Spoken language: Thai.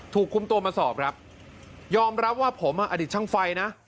ถูกคุมตัวมาสอบครับยอมรับว่าผมอ่ะอดีตช่างไฟนะ